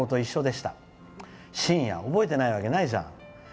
しんや覚えてないわけないじゃん。